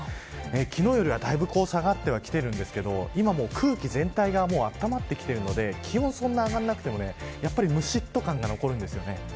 昨日よりはだいぶ下がってきていますが今は空気全体が温まってきているので気温は上がらなくてもむしっと感が残るんです。